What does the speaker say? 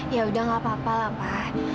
yaudah nggak apa apa lah pak